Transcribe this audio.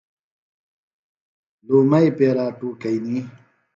لُومئی پیرا ٹُوکئنی۔